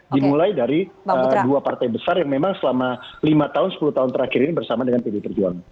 dimulai dari dua partai besar yang memang selama lima tahun sepuluh tahun terakhir ini bersama dengan pdi perjuangan